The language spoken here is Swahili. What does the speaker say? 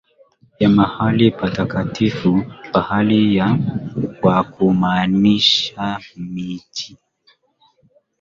ya mahali patakatifu pawili kwa kumaanisha miji